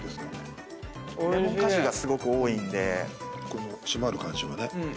この締まる感じはね。